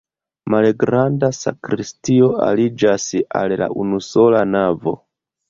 Malgranda sakristio aliĝas al la unusola navo.